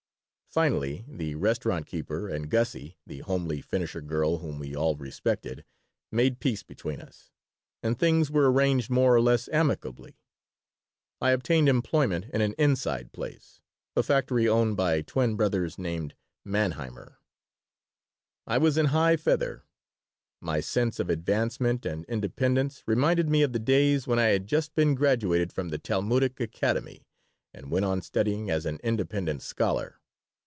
Finally the restaurant keeper and Gussie, the homely finisher girl whom we all respected, made peace between us, and things were arranged more or less amicably I obtained employment in an "inside" place, a factory owned by twin brothers named Manheimer I was in high feather. My sense of advancement and independence reminded me of the days when I had just been graduated from the Talmudic Academy and went on studying as an "independent scholar."